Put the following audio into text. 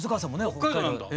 北海道なんだ。